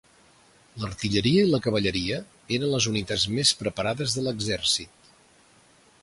L'artilleria i la cavalleria eren les unitats més preparades de l'exèrcit.